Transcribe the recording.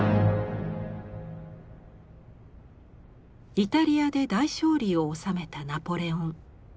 イタリアで大勝利を収めたナポレオン。